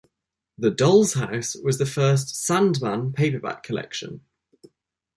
"The Doll's House" was the first "Sandman" paperback collection.